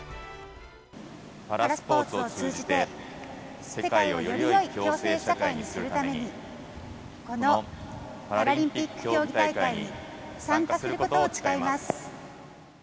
パラスポーツを通じて、世界をよりよい共生社会にするために、このパラリンピック競技大会に参加することを誓います。